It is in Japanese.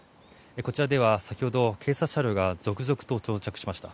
こちらでは先ほど、警察車両が続々と到着しました。